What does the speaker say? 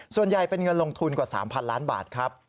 ส่วนใหญ่เป็นเงินลงทุนกว่า๓๐๐ล้านบาทครับ